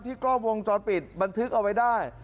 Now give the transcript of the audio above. กล้องวงจรปิดบันทึกเอาไว้ได้